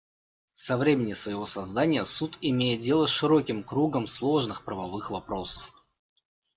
Со времени своего создания Суд имеет дело с широким кругом сложных правовых вопросов.